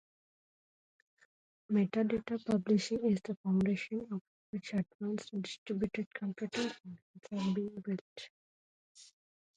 Metadata publishing is the foundation upon which advanced distributed computing functions are being built.